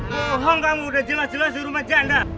bohong kamu udah jelas jelas di rumah janda